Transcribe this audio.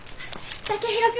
剛洋君。